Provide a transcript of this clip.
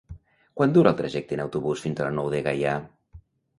Quant dura el trajecte en autobús fins a la Nou de Gaià?